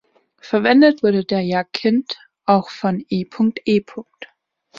Verwendet wurde der Jacinth auch von E. E.